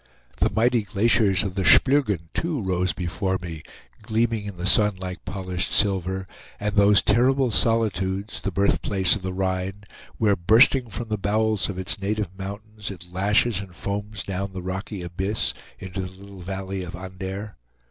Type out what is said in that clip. The mighty glaciers of the Splugen too rose before me, gleaming in the sun like polished silver, and those terrible solitudes, the birthplace of the Rhine, where bursting from the bowels of its native mountains, it lashes and foams down the rocky abyss into the little valley of Andeer.